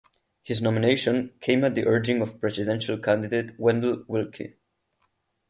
His nomination came at the urging of presidential candidate Wendell Willkie.